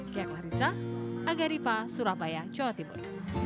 kaya clarissa agaripa surabaya jawa timur